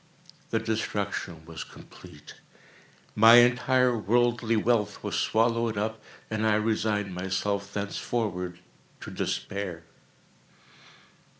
The destruction was complete. My entire worldly wealth was swallowed up, and I resigned myself thenceforward to despair.